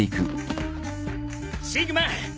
シグマ！